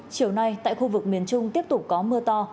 chiều nay tại khu vực miền trung tiếp tục có mưa to